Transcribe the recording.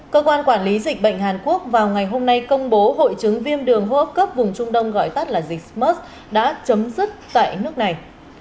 cơ quan quản lý dịch bệnh hàn quốc vào ngày hôm nay công bố hội chứng viêm đường hô hấp cấp vùng trung đông gọi tắt là dịch smart đã chấm dứt tại nước này